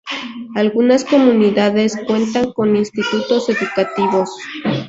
Algunas comunidades cuentan con institutos educativos.